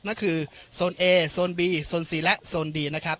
นั่นคือโซนเอโซนบีโซนซีและโซนบีนะครับ